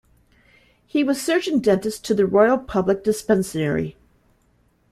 He was surgeon dentist to the Royal Public Dispensary.